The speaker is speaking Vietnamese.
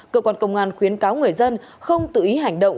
cơ quan công an khuyến cáo người dân không tự ý hành động